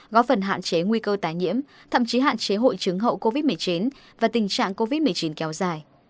góp phần hạn chế nguy cơ tái nhiễm thậm chí hạn chế hội chứng hậu covid một mươi chín và tình trạng covid một mươi chín kéo dài